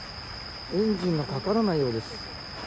エンジンがかからないようです。